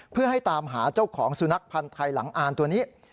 เพื่อให้ตามหาเจ้าของสุนัขพันธ์ไทยหลังอ่านตัวนี้